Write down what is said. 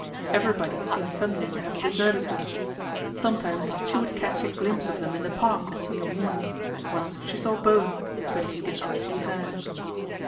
Everybody seemed suddenly to have deserted her. Sometimes she would catch a glimpse of them in the Park on Sunday morning Once she saw Bowen ; but he did not see her.